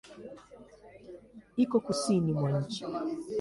Iko Kusini mwa nchi.